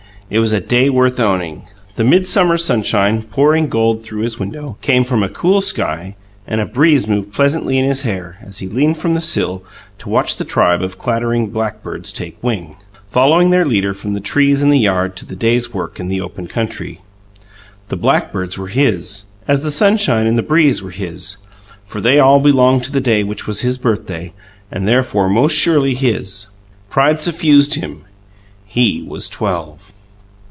And it was a day worth owning; the midsummer sunshine, pouring gold through his window, came from a cool sky, and a breeze moved pleasantly in his hair as he leaned from the sill to watch the tribe of clattering blackbirds take wing, following their leader from the trees in the yard to the day's work in the open country. The blackbirds were his, as the sunshine and the breeze were his, for they all belonged to the day which was his birthday and therefore most surely his. Pride suffused him: he was twelve!